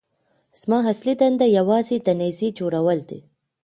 زما اصلي دنده یوازې د نيزې جوړول دي.